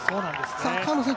川野選手